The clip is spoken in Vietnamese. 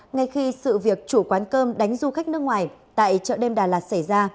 ngay khi sự việc chủ quán cơm đánh du khách nước ngoài tại chợ đêm đà lạt xảy ra